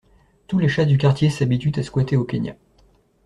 Tous les chats du quartier s'habituent à squatter au Kenya.